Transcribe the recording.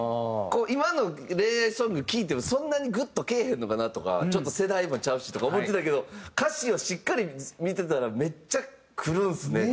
今の恋愛ソング聴いてもそんなにグッとけえへんのかなとかちょっと世代もちゃうしとか思ってたけど歌詞をしっかり見てたらめっちゃくるんですね。